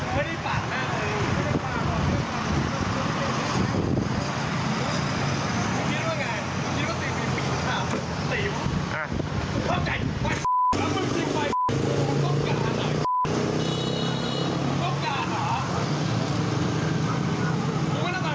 ไม่ต้องการ